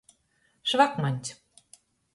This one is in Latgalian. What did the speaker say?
Švakmaņs.